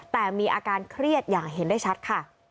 แต่มีอาการเครียดอย่างเห็นได้ชัดค่ะ